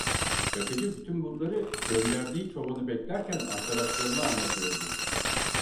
Çakıcı bütün bunları, gönderdiği çobanı beklerken arkadaşlarına anlatıyordu.